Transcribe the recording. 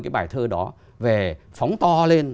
cái bài thơ đó về phóng to lên